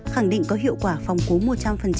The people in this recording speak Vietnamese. khẳng định có hiệu quả phòng cố một trăm linh